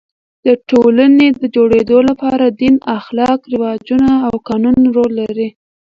د ټولني د جوړېدو له پاره دین، اخلاق، رواجونه او قانون رول لري.